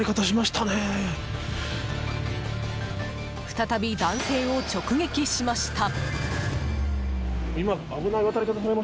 再び、男性を直撃しました。